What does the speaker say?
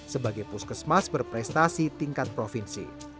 sebagai puskesmas berprestasi tingkat provinsi